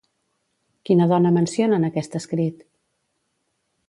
Quina dona menciona en aquest escrit?